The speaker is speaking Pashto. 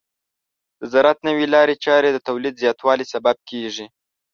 د زراعت نوې لارې چارې د تولید زیاتوالي سبب کیږي.